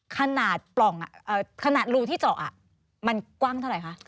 ขนาดรูที่เจาะมันกว้างเท่าไหร่คะ